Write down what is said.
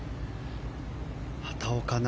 畑岡奈